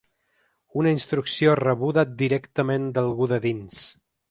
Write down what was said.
Una instrucció rebuda ‘directament d’algú de dins’